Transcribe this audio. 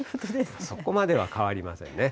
そこまでは変わりませんね。